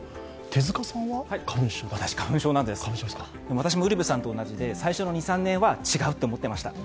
私もウルヴェさんと同じで最初の２３年は違うと思ってました。